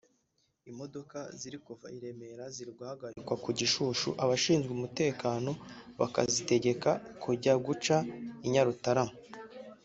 Imodoka ziri kuva i Remera ziri guhagarikwa ku Gishushu abashinzwe umutekano bakazitegeka kujya guca i Nyarutarama